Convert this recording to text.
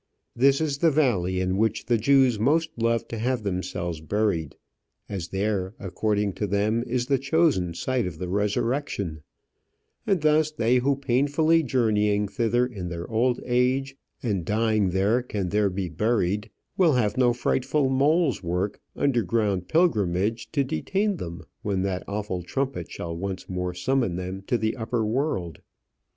This is the valley in which the Jews most love to have themselves buried; as there, according to them, is the chosen site of the resurrection: and thus they who painfully journeying thither in their old age, and dying there can there be buried, will have no frightful, moles' work, underground pilgrimage to detain them when that awful trumpet shall once more summon them to the upper world.